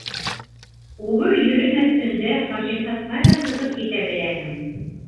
Убыр йөрөмәҫ төндә Хашимһыҙ ҡайҙа сығып китә беләһең?